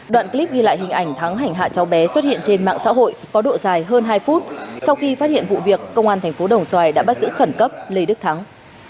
đoạn clip ghi lại hình ảnh thắng hành hạ cháu bé xuất hiện trên mạng xã hội có độ dài hơn hai phút sau khi phát hiện vụ việc công an thành phố đồng xoài đã bắt giữ khẩn cấp lê đức thắng